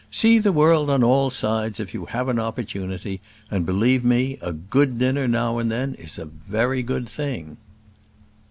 "See the world on all sides if you have an opportunity; and, believe me, a good dinner now and then is a very good thing."